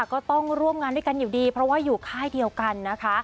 ก็ต้องร่วมงานด้วยกันอยู่ดีเพราะว่าอยู่ค่ายเดียวกันนะคะ